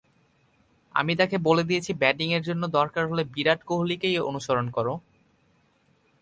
আমি তাকে বলে দিয়েছি ব্যাটিংয়ের জন্য দরকার হলে বিরাট কোহলিকেই অনুসরণ করো।